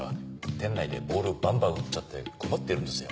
店内でボールバンバン打っちゃって困ってるんですよ。